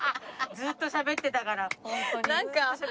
ずっとしゃべってたからホント。